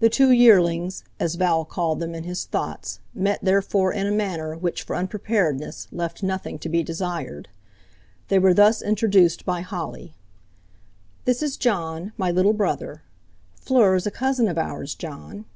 The two yearlings, as Val called them in his thoughts, met therefore in a manner which for unpreparedness left nothing to be desired. They were thus introduced by Holly: "This is Jon, my little brother; Fleur's a cousin of ours, Jon."